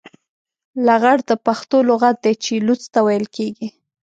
لغړ د پښتو لغت دی چې لوڅ ته ويل کېږي.